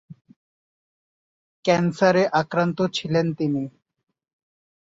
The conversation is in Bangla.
ক্যান্সারে আক্রান্ত ছিলেন তিনি।